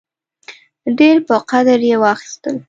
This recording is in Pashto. ډېر په قدر یې واخیستل.